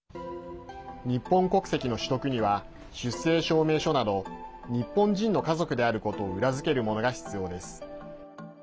日本国籍の取得には出生証明書など日本人の家族であることを裏付けるものが必要です。